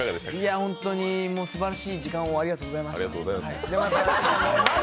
すばらしい時間をありがとうございました。